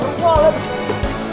emptiness duckkelan ke sangat karan